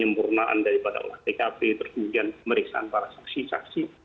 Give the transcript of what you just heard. kempurnaan daripada oleh tkp tertujuan pemeriksaan para saksi saksi